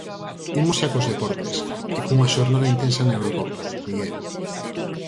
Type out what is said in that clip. Imos xa cos deportes, e cunha xornada intensa na Eurocopa, Miguel.